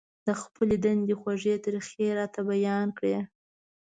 د خپلې دندې خوږې ترخې يې راته بيان کړې.